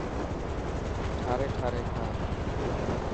ٺاري ٺاري کا.